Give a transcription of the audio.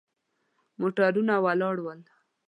موټرونه ولاړ ول.